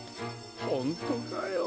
ほんとかよ。